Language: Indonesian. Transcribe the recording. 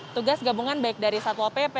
tugas gabungan baik dari satwa pp